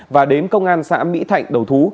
và đến công an xã mỹ thạnh đầu thú